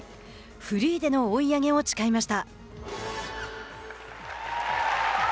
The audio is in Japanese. フリーでの追い上げを誓いました。